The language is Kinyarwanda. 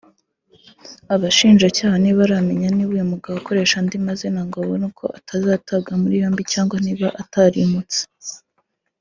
Abashinjacyaha ntibaramenya niba uyu mugabo akoresha andi mazina ngo abone uko atazatabwa muri yombi cyangwa niba atarmutse